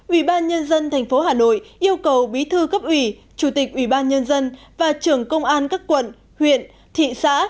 ubnd tp hà nội yêu cầu bí thư cấp ủy chủ tịch ubnd và trưởng công an các quận huyện thị xã